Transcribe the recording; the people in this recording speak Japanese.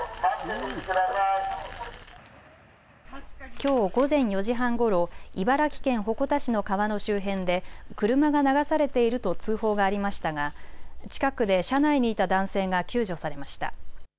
きょう午前４時半ごろ茨城県鉾田市の川の周辺で車が流されていると通報がありましたが近くで車内にいた男性が救助されました。